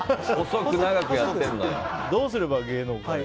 どうすれば芸能界を？